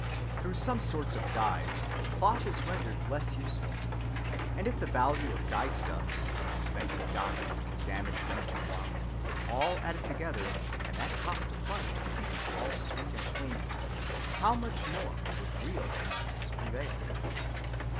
Through some sorts of dyes cloth is rendered less useful. And if the value of dyestuffs, and expense of dyeing, and the damage done to cloth, were all added together, and that cost applied to keeping all sweet and clean, how much more would real cleanliness prevail.